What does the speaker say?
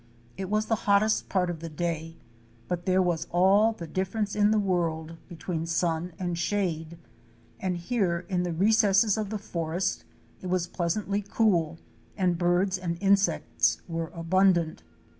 It was the hottest part of the day, but there was all the difference in the world between sun and shade, and here in the recesses of the forest it was pleasantly cool, and birds and insects were abundant.